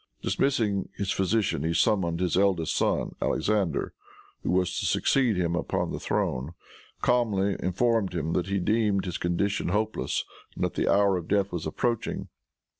Dismissing his physician he summoned his eldest son, Alexander, who was to succeed him upon the throne; calmly informed him that he deemed his condition hopeless and that the hour of death was approaching.